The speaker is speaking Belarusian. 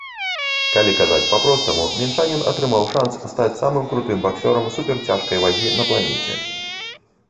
Калі казаць па-простаму, мінчанін атрымаў шанц стаць самым крутым баксёрам суперцяжкай вагі на планеце.